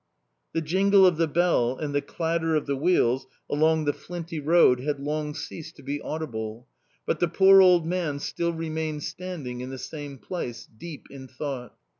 The jingle of the bell and the clatter of the wheels along the flinty road had long ceased to be audible, but the poor old man still remained standing in the same place, deep in thought.